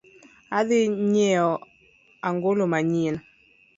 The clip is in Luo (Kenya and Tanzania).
Adhii nyieo ang'olo manyien.